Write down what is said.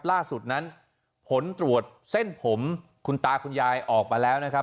ล่าสุดนั้นผลตรวจเส้นผมคุณตาคุณยายออกมาแล้วนะครับ